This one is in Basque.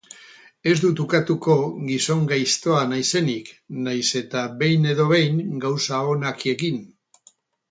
Ez dut ukatuko gizon gaiztoa naizenik, nahiz eta behin edo behin gauza onak egin.